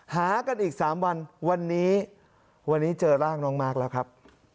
หากันอีก๓วันวันนี้วันนี้เจอร่างน้องมาร์คแล้วครับ